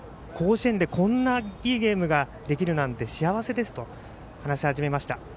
甲子園で、こんないいゲームができるなんて幸せですと話し始めました。